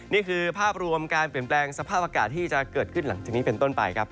นี่คือภาพรวมการเปลี่ยนแปลงสภาพอากาศที่จะเกิดขึ้นหลังจากนี้เป็นต้นไปครับ